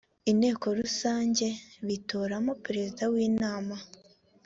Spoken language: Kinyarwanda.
inteko rusange bitoramo perezida w inama